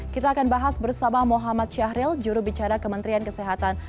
kita akan bahas bersama muhammad syahril jurubicara kementerian kesehatan